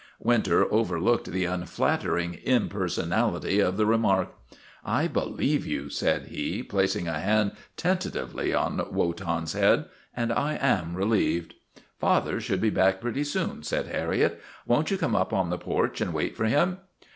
Winter overlooked the unflattering impersonality of the remark. " I believe you," said he, placing a hand tenta tively on Wotan's head, " and I am relieved." " Father should be back very soon," said Har riet. " Won't you come up on the porch and wait for him?"